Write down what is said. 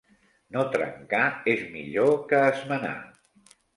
No trencar és millor que esmenar.